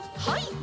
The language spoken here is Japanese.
はい。